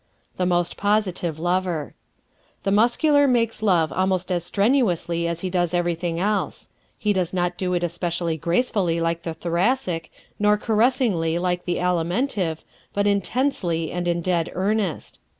The Most Positive Lover ¶ The Muscular makes love almost as strenuously as he does everything else. He does not do it especially gracefully like the Thoracic, nor caressingly like the Alimentive, but intensely and in dead earnest.